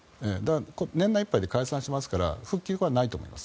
年内いっぱいで解散しますから復帰はないと思います。